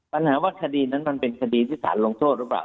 ปัญหาว่าคดีนั้นมันเป็นคดีที่สารลงโทษหรือเปล่า